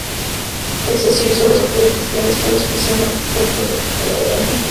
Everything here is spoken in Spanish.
Es decir, solo se puede copiar estados que sean ortogonales con un resultado fiable.